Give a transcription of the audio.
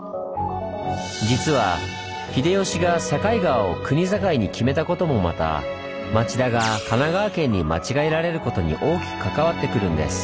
実は秀吉が境川を国境に決めたこともまた町田が神奈川県に間違えられることに大きく関わってくるんです。